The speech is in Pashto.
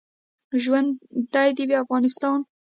ژوندی دې وي افغانستان.